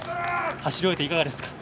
走り終えていかがですか？